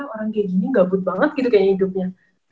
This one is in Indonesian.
orang kayak gini gabut banget gitu kayak hidupnya